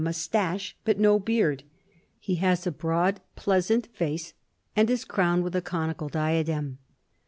243 moustache, but no beard. He has a broad pleasant face and is crowned with a conical diadem.